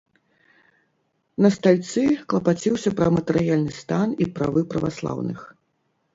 На стальцы клапаціўся пра матэрыяльны стан і правы праваслаўных.